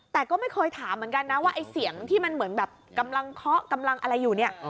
แต่ก็ไม่เคยถามเหมือนกันนะว่าไอ้เสียงที่มันเหมือนแบบกำลังเคาะกำลังอะไรอยู่เนี่ย